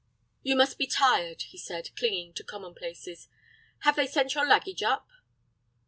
"You must be tired," he said, clinging to commonplaces. "Have they sent your luggage up?"